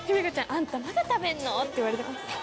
「あんたまだ食べるの？」って言われてます。